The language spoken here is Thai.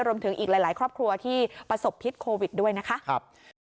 อีกหลายครอบครัวที่ประสบพิษโควิดด้วยนะคะ